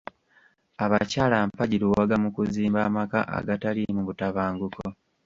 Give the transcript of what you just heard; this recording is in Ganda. Abakyala mpagi luwaga mu kuzimba amaka agataliimu butabanguko.